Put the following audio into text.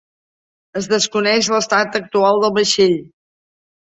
Es desconeix l'estat actual del vaixell.